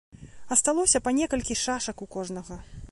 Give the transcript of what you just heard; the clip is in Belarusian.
Асталося па некалькі шашак у кожнага.